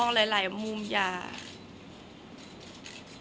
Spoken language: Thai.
คนเราถ้าใช้ชีวิตมาจนถึงอายุขนาดนี้แล้วค่ะ